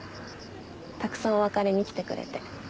たくさんお別れに来てくれて。